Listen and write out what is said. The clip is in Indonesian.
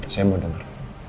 saya mau denger